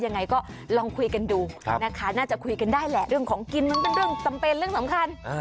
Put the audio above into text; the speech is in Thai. ยังไงก็ลองคุยกันดูนะคะน่าจะคุยกันได้แหละเรื่องของกินมันเป็นเรื่องจำเป็นเรื่องสำคัญ